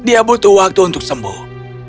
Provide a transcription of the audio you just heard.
dia butuh waktu untuk sembuh